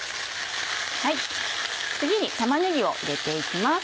次に玉ねぎを入れて行きます。